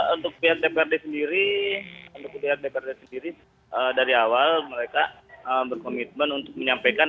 untuk pihak dprd sendiri dari awal mereka berkomitmen untuk menyampaikan